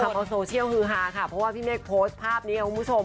เอาโซเชียลฮือฮาค่ะเพราะว่าพี่เมฆโพสต์ภาพนี้คุณผู้ชม